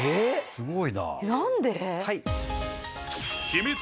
すごいな。